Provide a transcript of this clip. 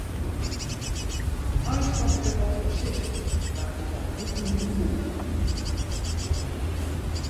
Eins moat ik der wat fan sizze, mar it leit bûten myn foech.